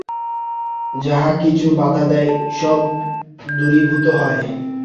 যাহা কিছু বাধা দেয়, সব দূরীভূত হয়।